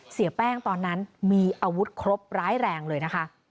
เสียแป้งตอนนั้นมีอาวุธครบร้ายแรงเลยนะคะ